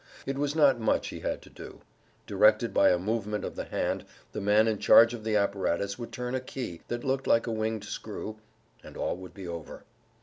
It was not much he had to do. Directed by a movement of the hand the man in charge of the apparatus would turn a key that looked like a winged screw—and all would be over.